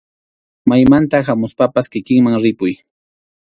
Maymanta hamuspapas kikinman ripuy.